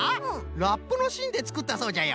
ラップのしんでつくったそうじゃよ。